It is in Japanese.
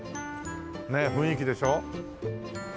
ねえ雰囲気でしょ。